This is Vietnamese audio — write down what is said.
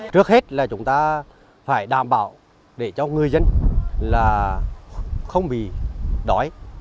trước hết là chúng ta phải đảm bảo để cho người dân là không bị đói